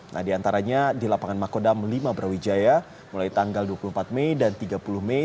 nah diantaranya di lapangan makodam lima brawijaya mulai tanggal dua puluh empat mei dan tiga puluh mei